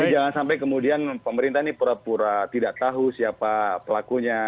jangan sampai kemudian pemerintah ini pura pura tidak tahu siapa pelakunya